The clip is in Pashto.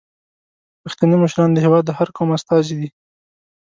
پښتني مشران د هیواد د هر قوم استازي دي.